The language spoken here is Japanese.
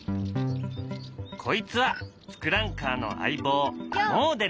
こいつはツクランカーの相棒もおでる。